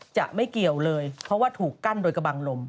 จะไม่เกี่ยวเลยเพราะว่าถูกกั้นโดยกระบังลม